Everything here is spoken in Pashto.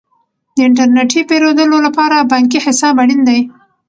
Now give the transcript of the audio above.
د انټرنیټي پیرودلو لپاره بانکي حساب اړین دی.